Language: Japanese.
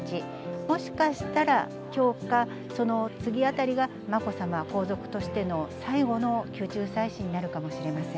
もしかしたら、きょうかその次あたりが、まこさま、皇族としての最後の宮中祭祀になるかもしれません。